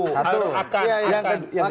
ini baru akan